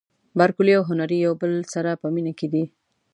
بارکلي او هنري یو له بل سره په مینه کې دي.